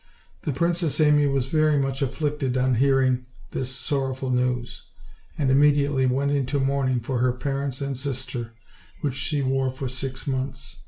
The Princess Amy was very much afflicted on hearing this sorrowful news, and immediately went into mourning for her parents and sister, which she wore for six months.